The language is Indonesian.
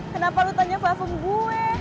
kenapa lo tanya parfum gue